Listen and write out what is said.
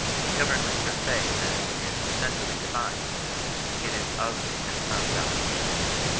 Government per se, then, is essentially divine; it is of and from God.